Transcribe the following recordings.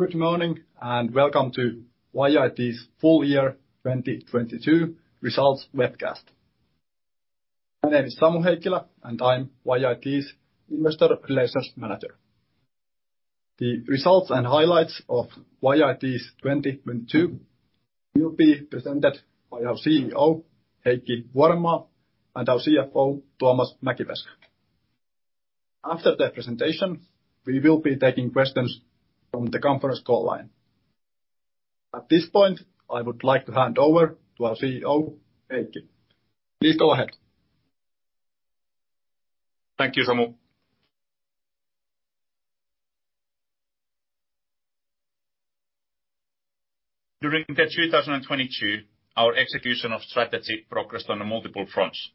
Good morning, and welcome to YIT's full-year 2022 results webcast. My name is Samu Heikkilä, and I am YIT's investor relations manager. The results and highlights of YIT's 2022 will be presented by our President and CEO, Heikki Vuorenmaa, and our CFO, Tuomas Mäkipeska. After their presentation, we will be taking questions from the conference call line. At this point, I would like to hand over to our CEO, Heikki. Please go ahead. Thank you, Samu. During 2022, our execution of strategy progressed on multiple fronts.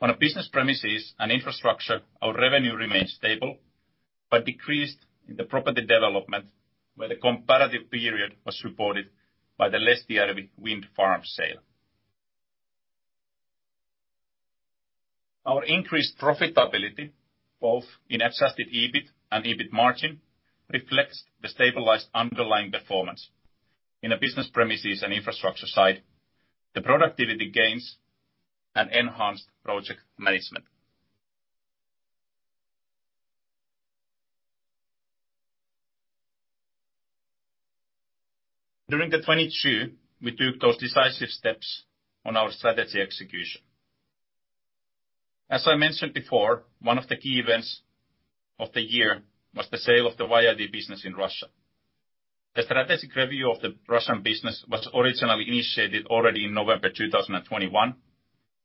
On a business premises and infrastructure, our revenue remained stable, but decreased in the property development, where the comparative period was supported by the Lestijärvi Wind Farm sale. Our increased profitability, both in adjusted EBIT and EBIT margin, reflects the stabilized underlying performance. In the business premises and infrastructure segment, this was supported by productivity gains and enhanced project management. During 2022, we took those decisive steps on our strategy execution. As I mentioned before, one of the key events of the year was the sale of the YIT business in Russia. The strategic review of the Russian business was originally initiated already in November 2021,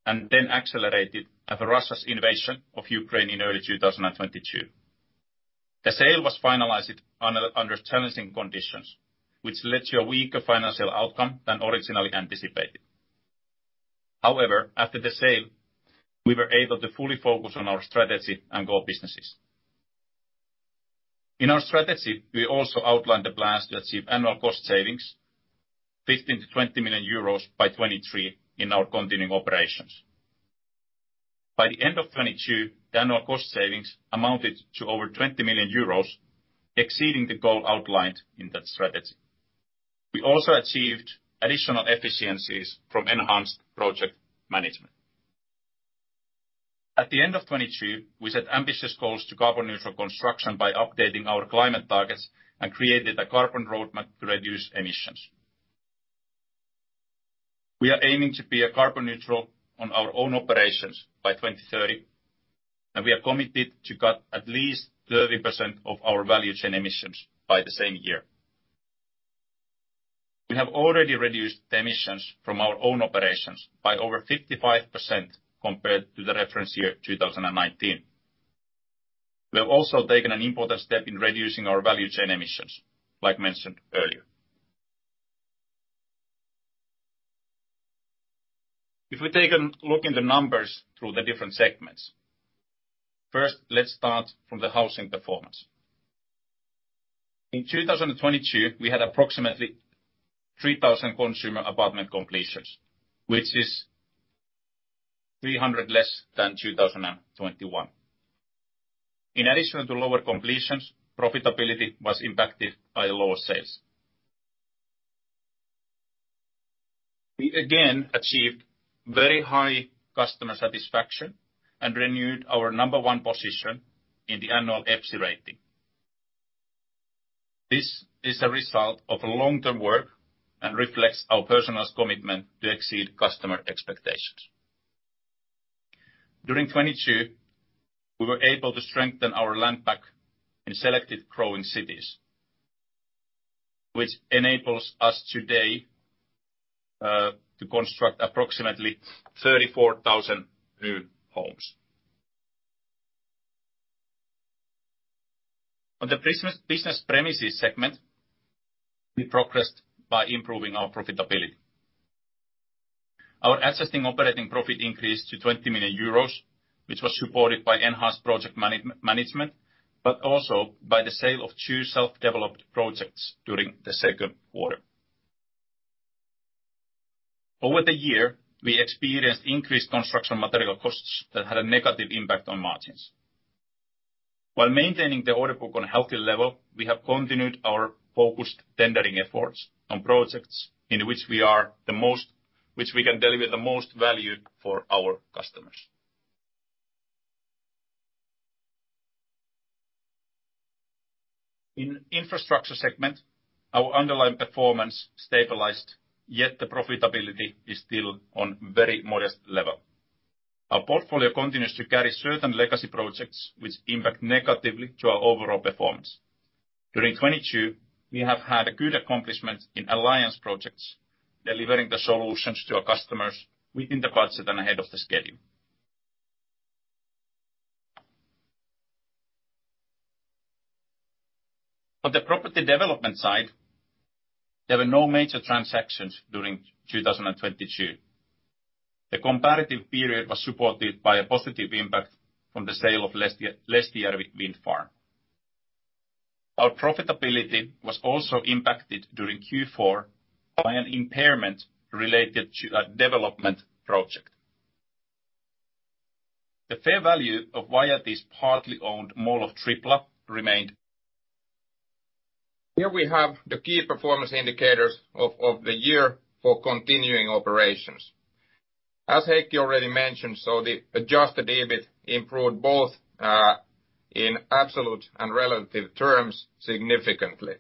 and then accelerated after Russia's invasion of Ukraine in early 2022. The sale was finalized under challenging conditions, which led to a weaker financial outcome than originally anticipated. However, after the sale, we were able to fully focus on our strategy and core businesses. In our strategy, we also outlined the plans to achieve annual cost savings, 15 million-20 million euros by 2023 in our continuing operations. By the end of 2022, the annual cost savings amounted to over 20 million euros, exceeding the goal outlined in that strategy. We also achieved additional efficiencies from enhanced project management. At the end of 2022, we set ambitious goals to carbon neutral construction by updating our climate targets and created a carbon roadmap to reduce emissions. We are aiming to be a carbon neutral on our own operations by 2030, and we are committed to cut at least 30% of our value chain emissions by the same year. We have already reduced the emissions from our own operations by over 55% compared to the reference year, 2019. We have also taken an important step in reducing our value chain emissions, like mentioned earlier. If we take a look at the numbers across the different segments. First, let's start from the housing performance. In 2022, we had approximately 3,000 consumer apartment completions, which is 300 less than 2021. In addition to lower completions, profitability was impacted by lower sales. We again achieved very high customer satisfaction and renewed our number one position in the annual EPSI Rating. This is a result of long-term work and reflects our personal commitment to exceed customer expectations. During 2022, we were able to strengthen our land bank in selected growing cities, which enables us today to construct approximately 34,000 new homes. On the business premises segment, we progressed by improving our profitability. Our assessing operating profit increased to 20 million euros, which was supported by enhanced project management, but also by the sale of two self-developed projects during the second quarter. Over the year, we experienced increased construction material costs that had a negative impact on margins. While maintaining the order book on a healthy level, we have continued our focused tendering efforts on projects in which we can deliver the most value for our customers. In infrastructure segment, our underlying performance stabilized, yet the profitability is still on very modest level. Our portfolio continues to carry certain legacy projects which impact negatively to our overall performance. During 2022, we have had a good accomplishment in alliance projects, delivering the solutions to our customers within the budget and ahead of the schedule. On the property development side, there were no major transactions during 2022. The comparative period was supported by a positive impact from the sale of Lestijärvi Wind Farm. Our profitability was also impacted during Q4 by an impairment related to a development project. The fair value of YIT's partly owned Mall of Tripla remained. Here we have the key performance indicators of the year for continuing operations. As Heikki already mentioned, the adjusted EBIT improved both in absolute and relative terms significantly.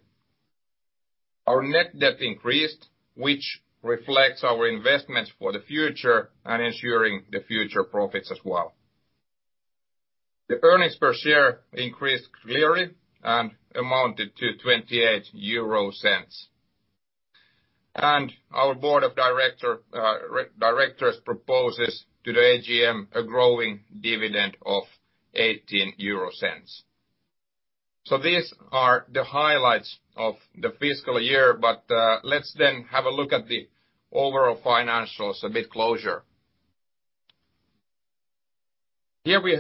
Our net debt increased, which reflects our investments for the future and ensures future profits as well. The earnings per share increased clearly and amounted to 0.28. Our board of directors proposes to the AGM a growing dividend of 0.18. These are the highlights of the fiscal year, but let's then have a look at the overall financials a bit closer. Here we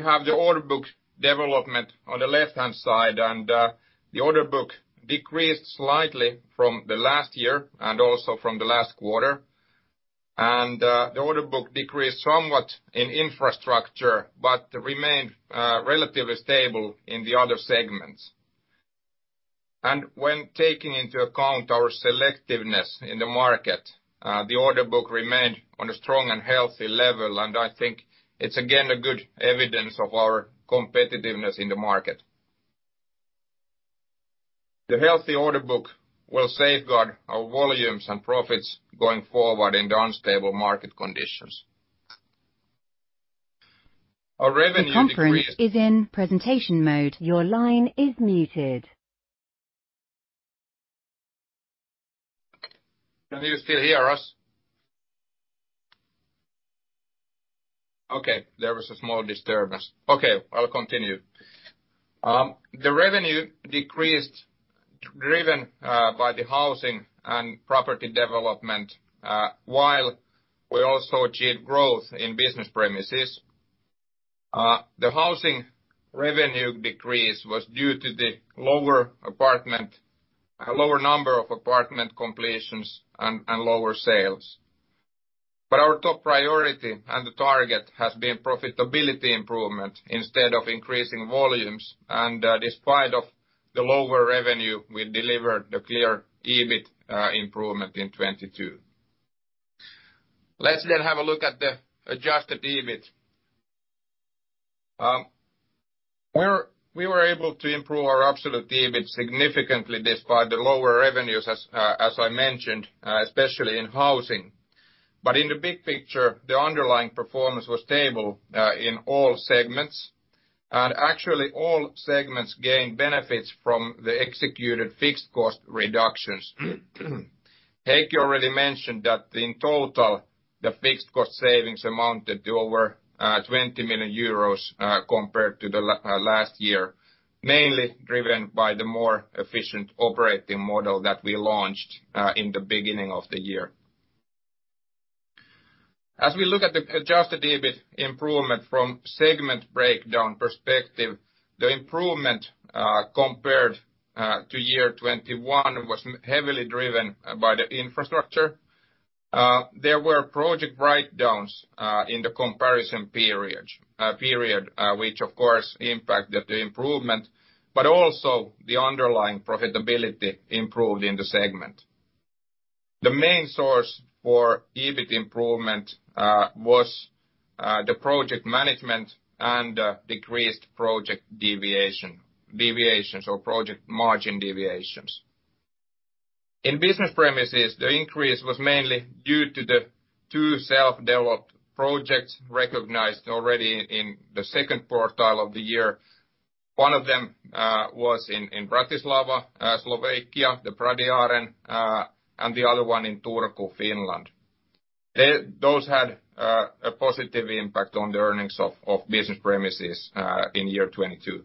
have the order book development on the left-hand side, The order book decreased slightly from last year and from the previous quarter. The order book decreased somewhat in infrastructure, but remained relatively stable in the other segments. When taking into account our selectiveness in the market, the order book remained on a strong and healthy level. I think it's again a good evidence of our competitiveness in the market. The healthy order book will safeguard our volumes and profits going forward in the unstable market conditions. Our revenue decreased- Can you still hear us? There was a small disturbance, but I will continue. The revenue decreased driven by the housing and property development, while we also achieved growth in business premises. The housing revenue decrease was due to the lower number of apartment completions and lower sales. Our top priority and the target has been profitability improvement instead of increasing volumes, and despite of the lower revenue, we delivered the clear EBIT improvement in 2022. Let's have a look at the adjusted EBIT. We were able to improve our absolute EBIT significantly despite the lower revenues as I mentioned, especially in housing. In the big picture, the underlying performance was stable in all segments. Actually, all segments gained benefits from the executed fixed cost reductions. Heikki already mentioned that in total, the fixed cost savings amounted to over 20 million euros compared to the last year, mainly driven by the more efficient operating model that we launched in the beginning of the year. As we look at the adjusted EBIT improvement from segment breakdown perspective, the improvement compared to year 2021 was heavily driven by the infrastructure. There were project write-downs in the comparison period, which of course impacted the improvement, also the underlying profitability improved in the segment. The main source for EBIT improvement was the project management and decreased project deviations or project margin deviations. In business premises, the increase was mainly due to the two self-developed projects recognized already in the second quartile of the year. One of them was in Bratislava, Slovakia, the Pradiareň, and the other one in Turku, Finland. Those had a positive impact on the earnings of business premises in year 2022.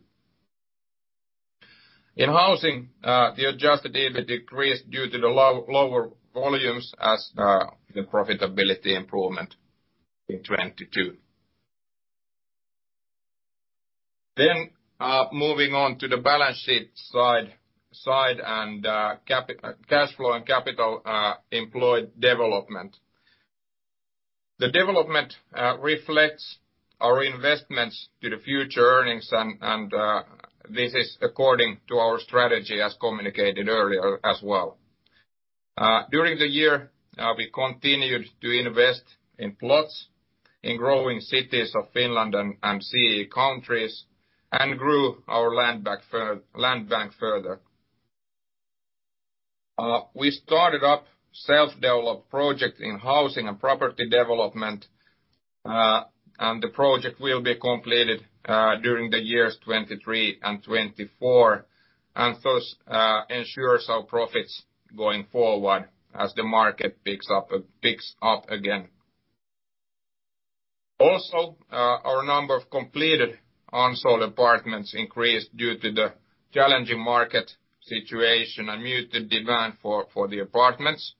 In housing, the adjusted EBIT decreased due to the lower volumes as the profitability improvement in 2022. Moving on to the balance sheet side and cash flow and capital employed development. The development reflects our investments to the future earnings and this is according to our strategy as communicated earlier as well. During the year, we continued to invest in plots in growing cities of Finland and CEE countries and grew our landbank further. We started up self-developed project in housing and property development, The project will be completed during the years 2023 and 2024. Thus ensures our profits going forward as the market picks up again. Also, our number of completed unsold apartments increased due to the challenging market situation and muted demand for the apartments.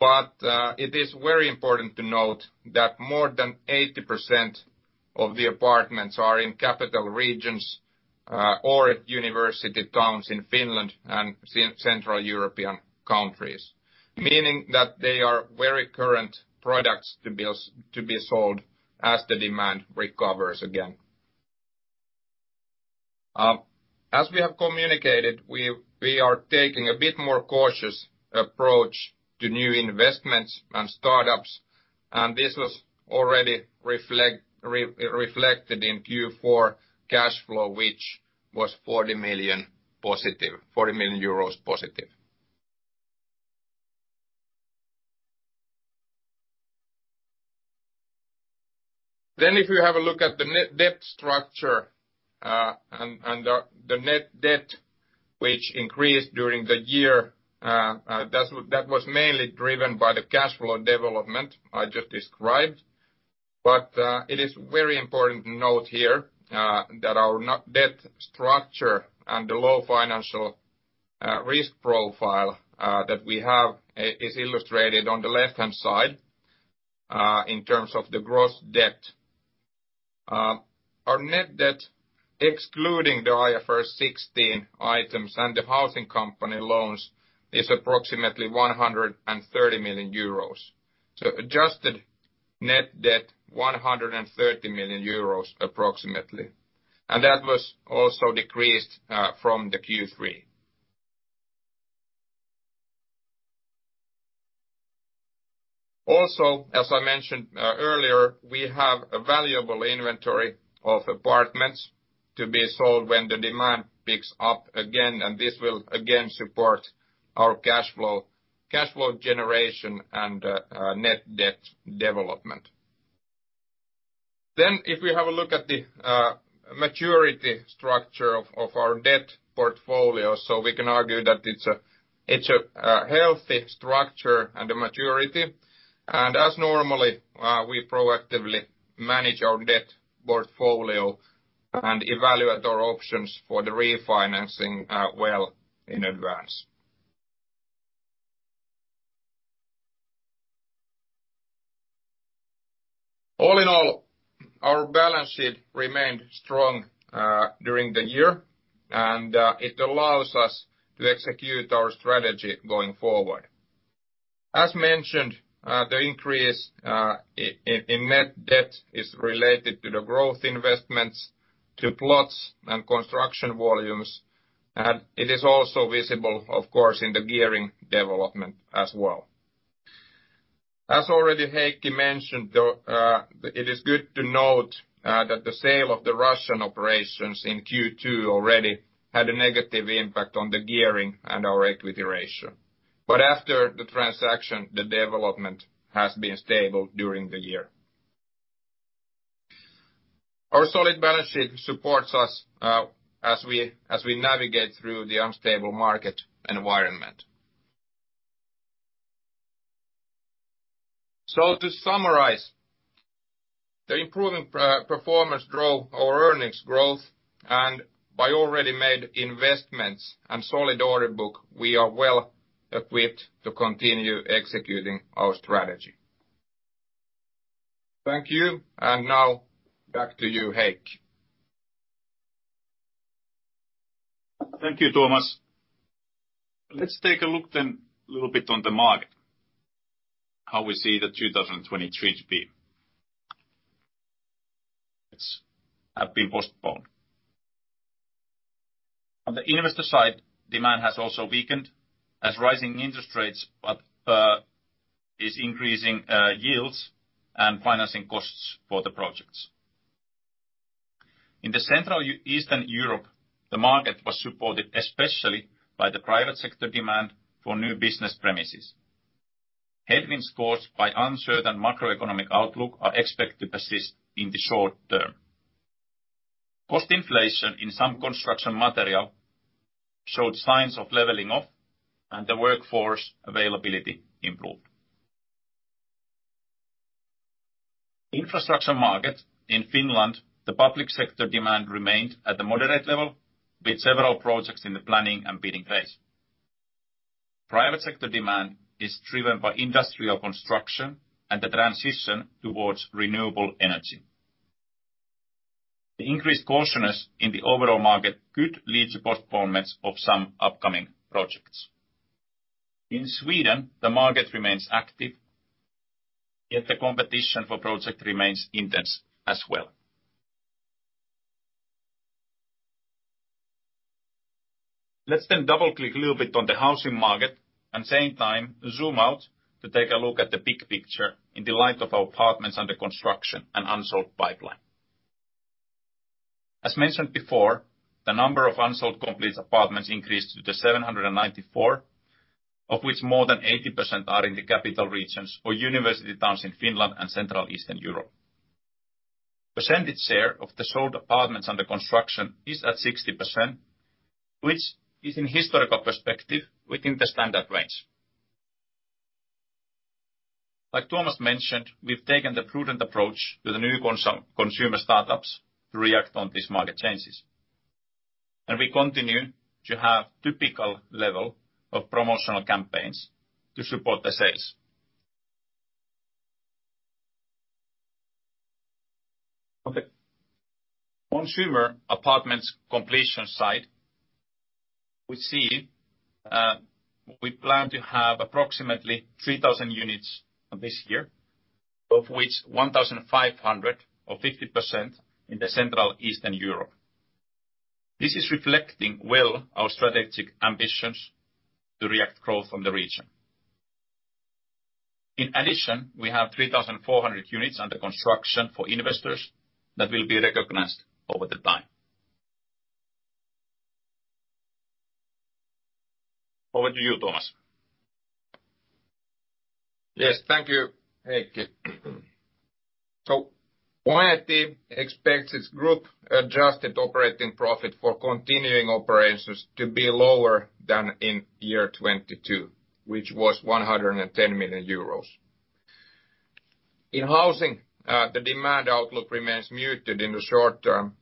It is very important to note that more than 80% of the apartments are in capital regions or at university towns in Finland and Central European countries. Meaning that they are very current products to be sold as the demand recovers again. As we have communicated, we are taking a bit more cautious approach to new investments and startups, This was already reflected in Q4 cash flow, which was 40 million positive. 40 million euros positive. If you have a look at the net debt structure and the net debt which increased during the year, that was mainly driven by the cash flow development I just described. It is very important to note here that our net debt structure and the low financial risk profile that we have is illustrated on the left-hand side in terms of the gross debt. Our net debt, excluding the IFRS 16 items and the housing company loans, is approximately 130 million euros. Adjusted net debt 130 million euros approximately. That was also decreased from the Q3. Also, as I mentioned earlier, we have a valuable inventory of apartments to be sold when the demand picks up again, and this will again support our cashflow generation and net debt development. If we have a look at the maturity structure of our debt portfolio. We can argue that it's a healthy structure and a maturity. As normally, we proactively manage our debt portfolio and evaluate our options for the refinancing well in advance. All in all, our balance sheet remained strong during the year, and it allows us to execute our strategy going forward. As mentioned, the increase in net debt is related to the growth investments to plots and construction volumes, and it is also visible, of course, in the gearing development as well. As already Heikki mentioned, though, it is good to note, that the sale of the Russian operations in Q2 already had a negative impact on the gearing and our equity ratio. After the transaction, the development has been stable during the year. Our solid balance sheet supports us, as we navigate through the unstable market environment. To summarize, the improving performance drove our earnings growth. By already made investments and solid order book, we are well equipped to continue executing our strategy. Thank you. Now back to you, Heikki. Thank you, Tuomas. Let's take a look then a little bit on the market, how we see 2023 to be. It's have been postponed. On the investor side, demand has also weakened as rising interest rates is increasing yields and financing costs for the projects. In the Central Eastern Europe, the market was supported, especially by the private sector demand for new business premises. Headwinds caused by uncertain macroeconomic outlook are expected to persist in the short term. Cost inflation in some construction material showed signs of leveling off and the workforce availability improved. Infrastructure market in Finland, the public sector demand remained at a moderate level with several projects in the planning and bidding phase. Private sector demand is driven by industrial construction and the transition towards renewable energy. The increased cautiousness in the overall market could lead to postponements of some upcoming projects. In Sweden, the market remains active, yet the competition for project remains intense as well. Let's double-click a little bit on the housing market and same time zoom out to take a look at the big picture in the light of apartments under construction and unsold pipeline. As mentioned before, the number of unsold complete apartments increased to the 794, of which more than 80% are in the capital regions or university towns in Finland and Central Eastern Europe. Percentage share of the sold apartments under construction is at 60%, which is in historical perspective within the standard range. Like Tuomas mentioned, we've taken the prudent approach to the new consumer startups to react on these market changes. We continue to have typical level of promotional campaigns to support the sales. On the consumer apartments completion side, we see, we plan to have approximately 3,000 units this year, of which 1,500, or 50%, in the Central and Eastern Europe. This is reflecting well our strategic ambitions to react growth from the region. In addition, we have 3,400 units under construction for investors that will be recognized over the time. Over to you, Tuomas. Thank you, Heikki. YIT expects its group-adjusted operating profit for continuing operations to be lower than in 2022, which was 110 million euros. In housing, the demand outlook remains muted in the short term.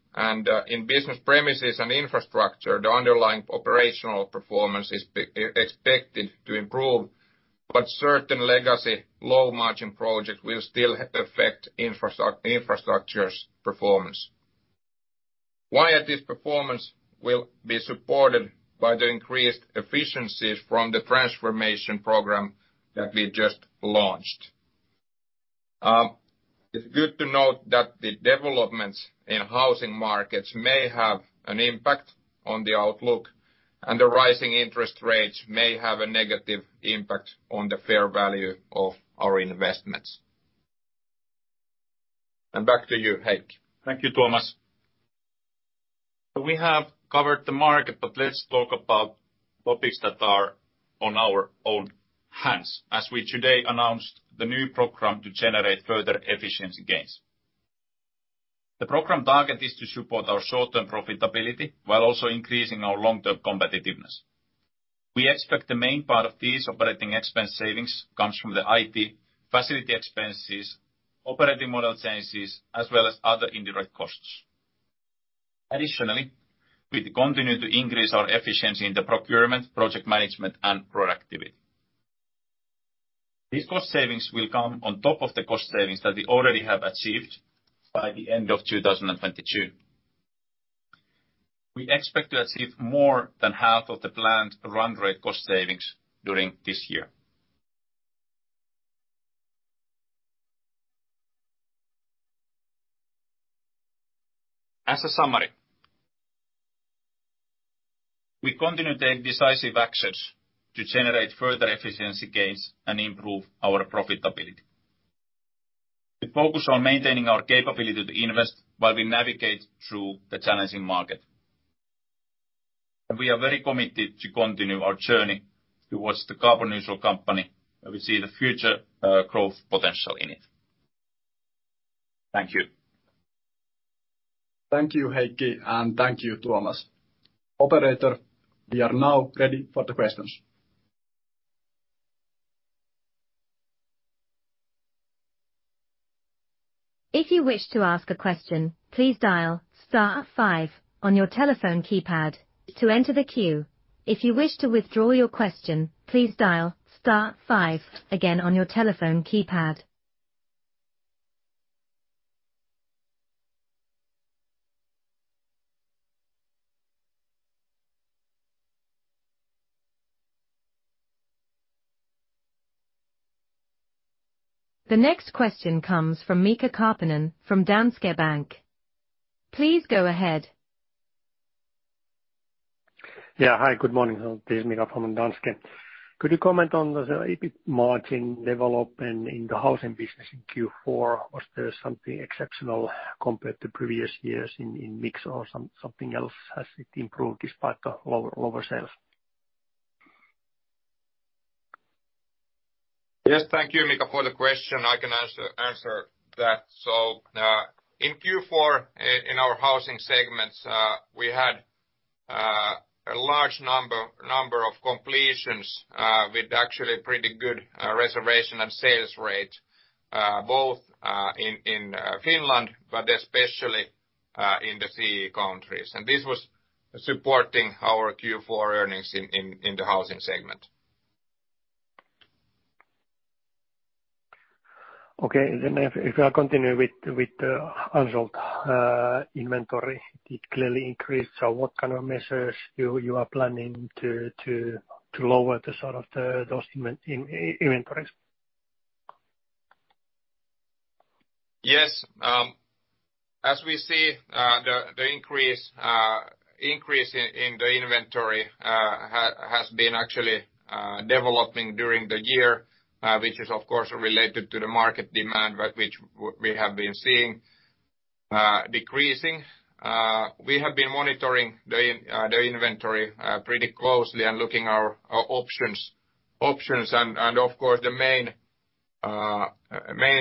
In business premises and infrastructure, the underlying operational performance is expected to improve, but certain legacy low-margin projects will still affect infrastructure's performance. YIT's performance will be supported by the increased efficiencies from the transformation program that we just launched. It's good to note that the developments in housing markets may have an impact on the outlook, and the rising interest rates may have a negative impact on the fair value of our investments. Back to you, Heikki. Thank you, Tuomas. Let's talk about topics that are on our own hands as we today announced the new program to generate further efficiency gains. The program target is to support our short-term profitability while also increasing our long-term competitiveness. We expect the main part of these operating expense savings comes from the IT, facility expenses, operating model changes, as well as other indirect costs. Additionally, we continue to increase our efficiency in the procurement, project management, and productivity. These cost savings will come on top of the cost savings that we already have achieved by the end of 2022. We expect to achieve more than half of the planned run rate cost savings during this year. As a summary, we continue to take decisive actions to generate further efficiency gains and improve our profitability. We focus on maintaining our capability to invest while we navigate through the challenging market. We are very committed to continue our journey towards the carbon-neutral company, and we see the future growth potential in it. Thank you. Thank you, Heikki, and thank you, Tuomas. Operator, we are now ready for the questions. The next question comes from Mika Karppinen from Danske Bank. Please go ahead. Hi. Good morning. This is Mika from Danske. Could you comment on the EBIT margin development in the housing business in Q4? Was there something exceptional compared to previous years in mix or something else? Has it improved despite the lower sales? Yes. Thank you, Mika, for the question. I can answer that. In Q4, in our housing segments, we had a large number of completions, with actually pretty good reservation and sales rate, both in Finland, but especially in the CEE countries. This was supporting our Q4 earnings in the housing segment. Okay. If I continue with the unsold inventory, it clearly increased. What kind of measures are you planning to take to reduce those inventories? Yes. As we see, the increase in the inventory has been actually developing during the year, which is, of course, related to the market demand, but which we have been seeing decreasing. We have been monitoring the inventory pretty closely and looking our options. Of course, the main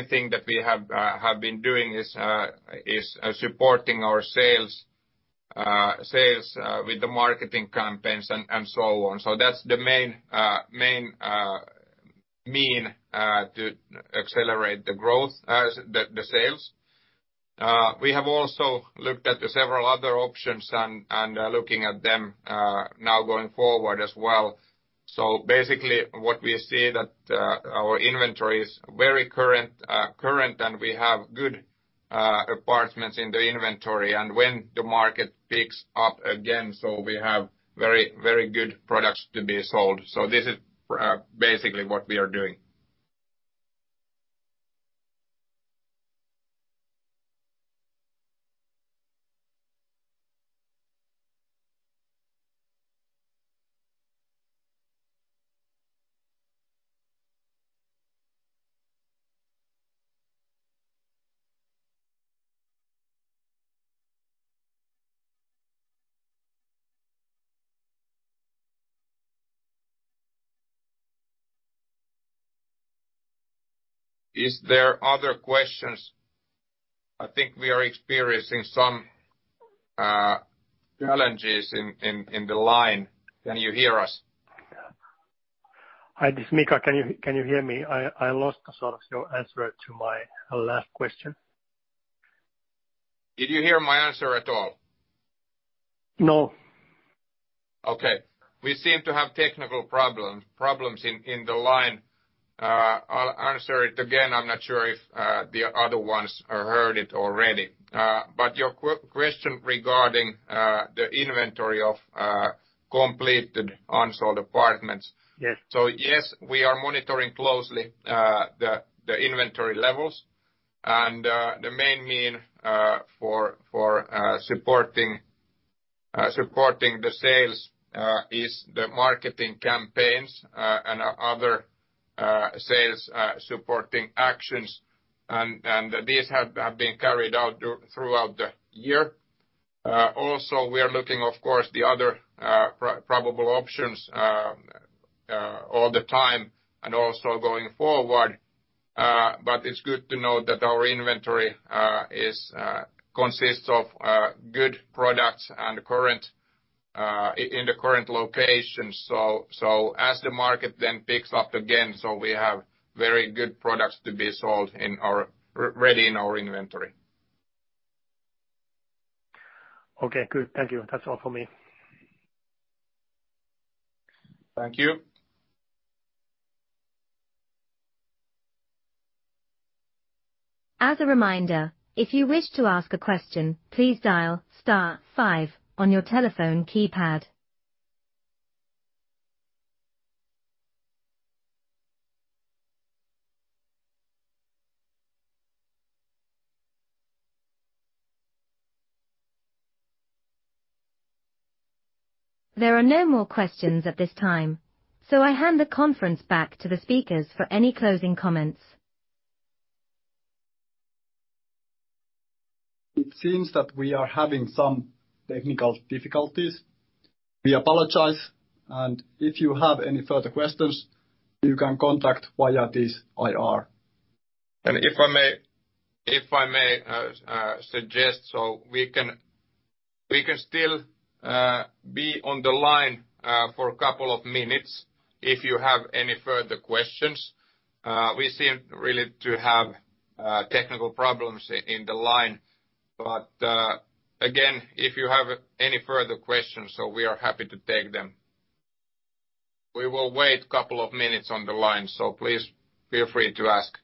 thing that we have been doing is supporting our sales with the marketing campaigns and so on. That's the main mean to accelerate the growth as the sales. We have also looked at the several other options and looking at them now going forward as well. Basically what we see that our inventory is very current, and we have good apartments in the inventory. When the market picks up again, so we have very good products to be sold. This is basically what we are doing. Is there other questions? I think we are experiencing some challenges in the line. Can you hear us? Hi, this is Mika. Can you hear me? I lost sort of your answer to my last question. Did you hear my answer at all? No. Okay. We seem to have technical problems on the line. I'll answer it again. I'm not sure if the other ones have heard it already. Your question regarding the inventory of completed unsold apartments. Yes. Yes, we are monitoring closely the inventory levels. The main mean for supporting the sales is the marketing campaigns and other sales supporting actions. These have been carried out throughout the year. Also we are looking, of course, the other probable options all the time and also going forward. But it's good to know that our inventory consists of good products and current in the current locations. As the market then picks up again, so we have very good products to be sold ready in our inventory. Okay, good. Thank you. That's all for me. Thank you. It seems that we are having some technical difficulties. We apologize. If you have any further questions, you can contact Via this IR. If I may suggest so we can still be on the line for 2 minutes if you have any further questions. We seem really to have technical problems on the line. Again, if you have any further questions, so we are happy to take them. We will wait 2 minutes on the line, so please feel free to ask.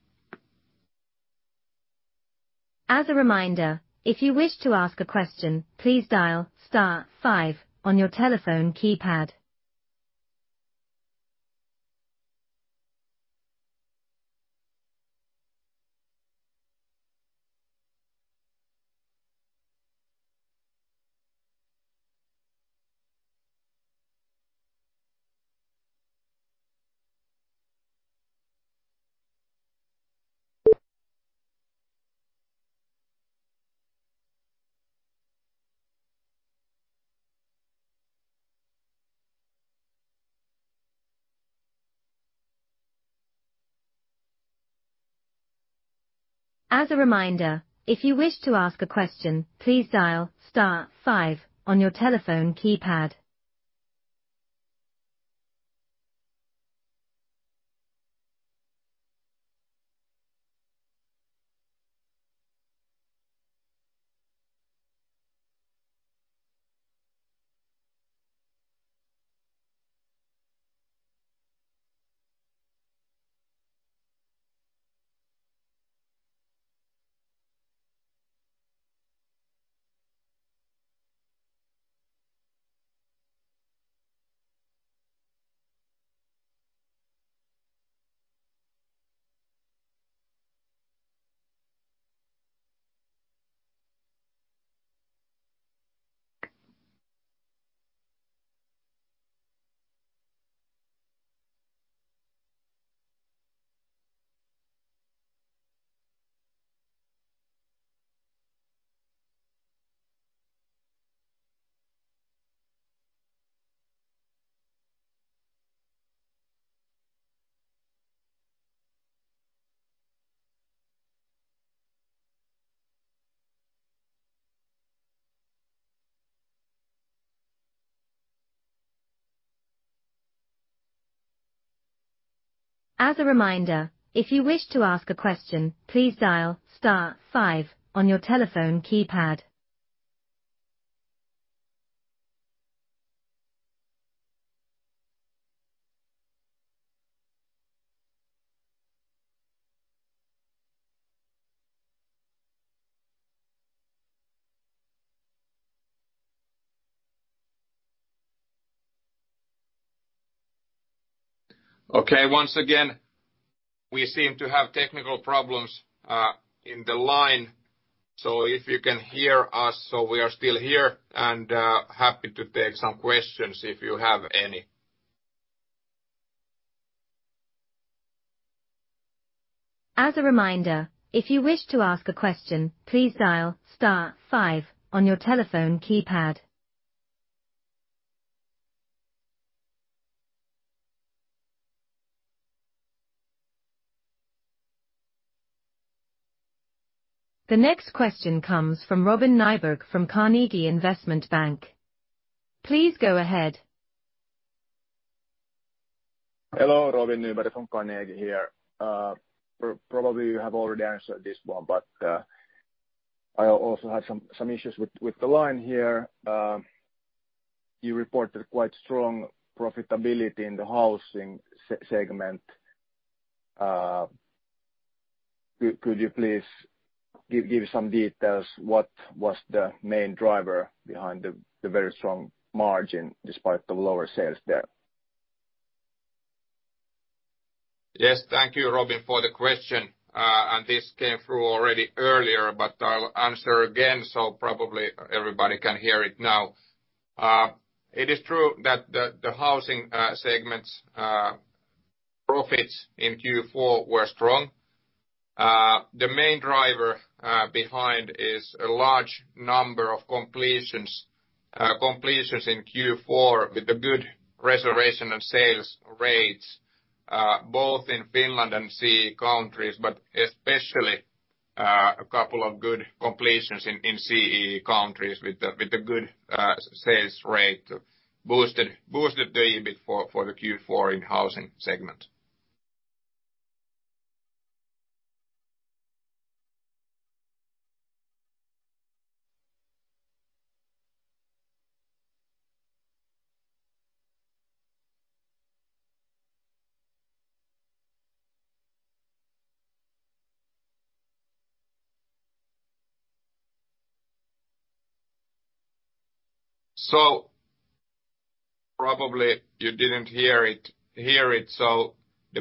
Okay. Once again, we seem to have technical problems, in the line, so if you can hear us, so we are still here and, happy to take some questions if you have any. The next question comes from Robin Nyberg from Carnegie Investment Bank. Please go ahead. Hello. Robin Nyberg from Carnegie here. Probably you have already answered this one, I also had some issues with the line here. You reported quite strong profitability in the housing segment. Could you please give some details what was the main driver behind the very strong margin despite the lower sales there? Yes. Thank you, Robin, for the question. This came through already earlier, but I'll answer again, so probably everybody can hear it now. It is true that the housing segment's profits in Q4 were strong. The main driver behind is a large number of completions in Q4 with the good reservation and sales rates both in Finland and CEE countries, especially a couple of good completions in CEE countries with the good sales rate boosted the EBIT for the Q4 in housing segment. Probably you didn't hear it. The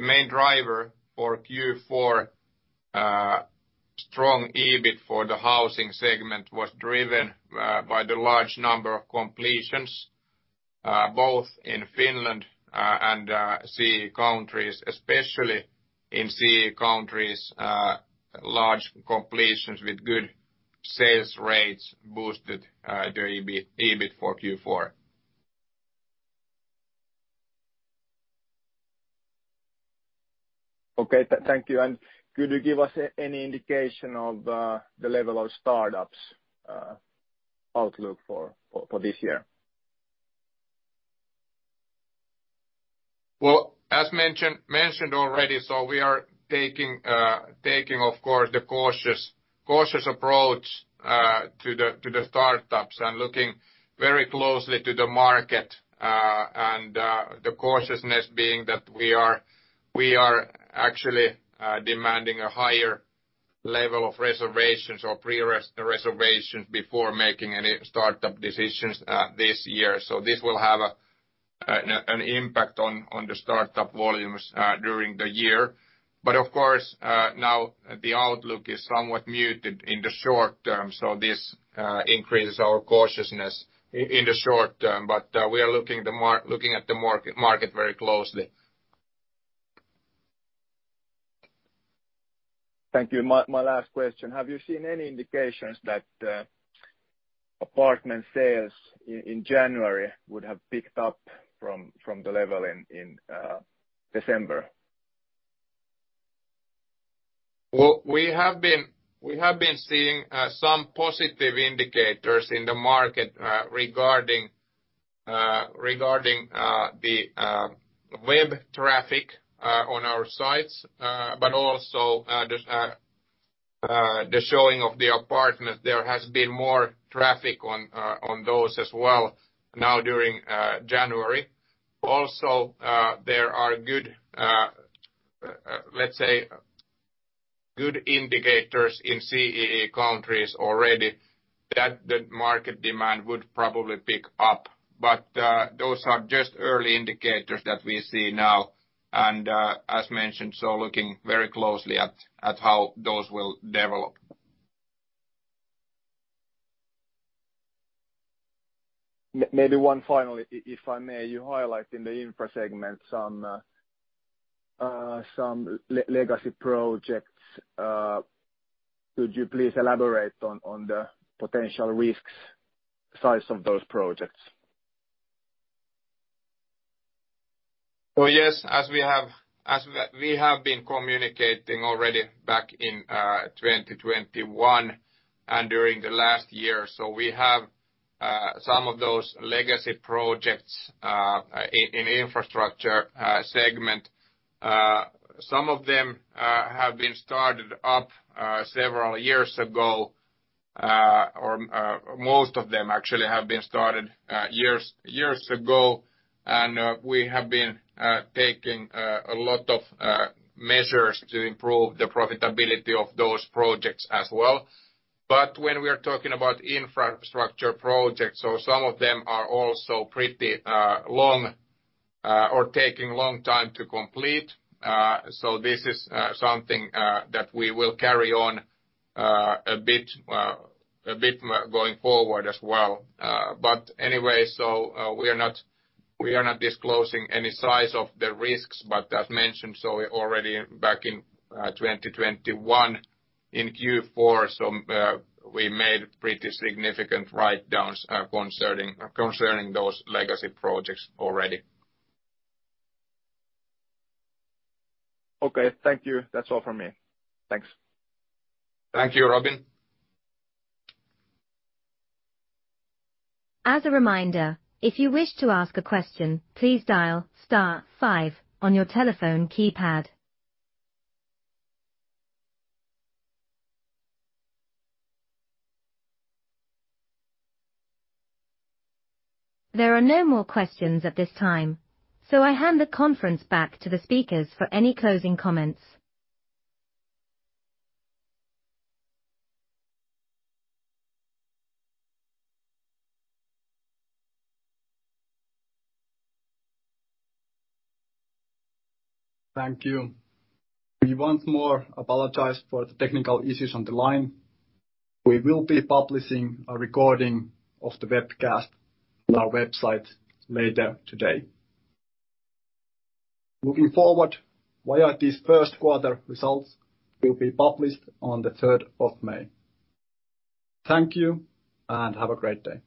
main driver for Q4, strong EBIT for the housing segment was driven by the large number of completions, both in Finland, and CEE countries, especially in CEE countries, large completions with good sales rates boosted the EBIT for Q4. Okay. Thank you. Could you give us any indication of the level of startups, outlook for this year? As mentioned already, so we are taking, of course, the cautious approach to the startups and looking very closely to the market. The cautiousness being that we are actually demanding a higher level of reservations or pre-reservations before making any startup decisions this year. This will have an impact on the startup volumes during the year. Of course, now the outlook is somewhat muted in the short term, this increases our cautiousness in the short term. We are looking at the market very closely. Thank you. My last question. Have you seen any indications that apartment sales in January would have picked up from the level in December? We have been seeing some positive indicators in the market regarding the web traffic on our sites, but also the showing of the apartment. There has been more traffic on those as well now during January. There are good, let's say good indicators in CEE countries already that the market demand would probably pick up. Those are just early indicators that we see now. As mentioned, looking very closely at how those will develop. Maybe one final, if I may. You highlight in the infra segment some legacy projects. Could you please elaborate on the potential risks size of those projects? Yes. As we have been communicating already back in 2021 and during the last year, we have some of those legacy projects in infrastructure segment. Some of them have been started up several years ago, or most of them actually have been started years ago. We have been taking a lot of measures to improve the profitability of those projects as well. When we are talking about infrastructure projects, some of them are also pretty long or taking long time to complete. This is something that we will carry on a bit going forward as well. We are not, we are not disclosing any size of the risks, but as mentioned, so already back in 2021 in Q4, so, we made pretty significant write-downs concerning those legacy projects already. Okay. Thank you. That's all from me. Thanks. Thank you, Robin. I hand the conference back to the speakers for any closing comments. Thank you. We once more apologize for the technical issues on the line. We will be publishing a recording of the webcast on our website later today. Looking forward, YIT's first quarter results will be published on the third of May. Thank you, and have a great day.